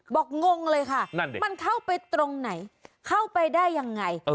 งงเลยค่ะมันเข้าไปตรงไหนเข้าไปได้ยังไง